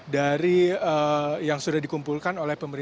dari yang sudah dikumpulkan